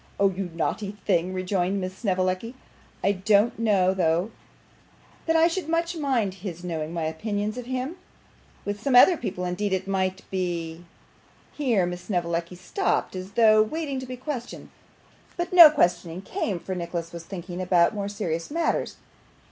'Oh you naughty thing!' rejoined Miss Snevellicci. 'I don't know though, that I should much mind HIS knowing my opinion of him; with some other people, indeed, it might be ' Here Miss Snevellicci stopped, as though waiting to be questioned, but no questioning came, for Nicholas was thinking about more serious matters.